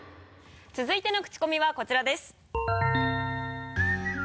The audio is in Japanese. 続いてのクチコミはこちらです。